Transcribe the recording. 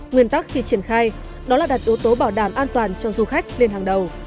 nguyên tắc khi triển khai đó là đặt yếu tố bảo đảm an toàn cho du khách lên hàng đầu